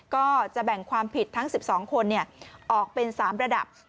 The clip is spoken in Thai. ก็จะแบ่งความผิดทั้ง๑๒คนออกเป็น๓ระดับ